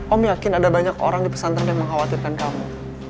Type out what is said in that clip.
om yakin ada banyak orang di pesantren yang mengkhawatirkan kamu